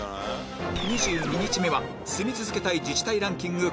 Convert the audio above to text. ２２日目は住み続けたい自治体ランキング